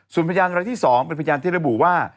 ส่วนพยานรายที่๒เป็นพยานที่ระบุว่า